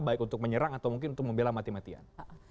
baik untuk menyerang atau mungkin untuk membela mati matian